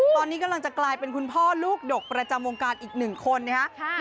ตอนนี้กำลังจะกลายเป็นคุณพ่อลูกดกประจำวงการอีกหนึ่งคนนะครับ